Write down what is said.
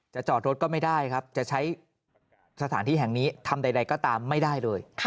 จอดรถก็ไม่ได้ครับจะใช้สถานที่แห่งนี้ทำใดก็ตามไม่ได้เลย